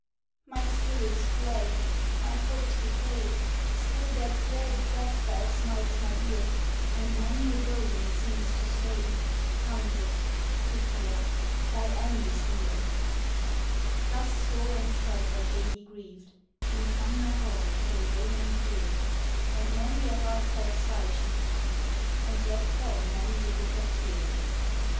"My spirits flag my hopes decay Still that dread death bell smites my ear, And many a boding seems to say, 'Countess, prepare, thy end is near!'" Thus sore and sad that lady grieved, In Cumnor Hall so lone and drear, And many a heartfelt sigh she heaved, And let fall many a bitter tear.